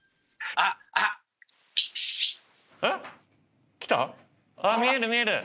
あっ見える見える。